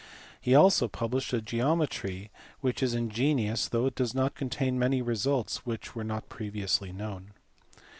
He also published a geometry which is ingenious though it does not contain many results which were not previously known.